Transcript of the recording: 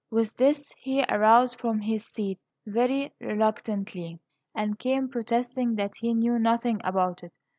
With this he arose from his seat very reluctantly, and came, protesting that he knew nothing about it.